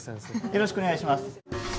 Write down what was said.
よろしくお願いします。